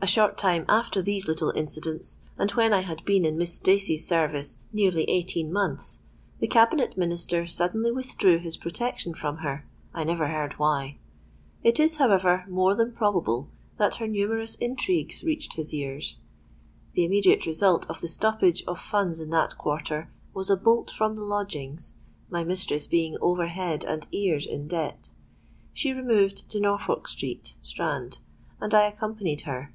"A short time after these little incidents, and when I had been in Miss Stacey's service nearly eighteen months, the Cabinet Minister suddenly withdrew his protection from her—I never heard why. It is however more than probable that her numerous intrigues reached his ears. The immediate result of the stoppage of funds in that quarter was a bolt from the lodgings, my mistress being over head and ears in debt. She removed to Norfolk Street, Strand: and I accompanied her.